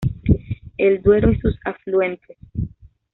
El Duero y sus afluentes.